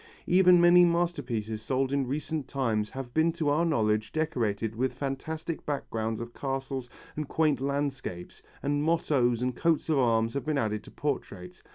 Even many masterpieces sold in recent times have been to our knowledge decorated with fantastic backgrounds of castles and quaint landscapes, and mottoes and coats of arms have been added to portraits.